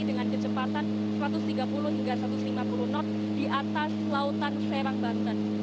dengan kecepatan satu ratus tiga puluh hingga satu ratus lima puluh knot di atas lautan serang banten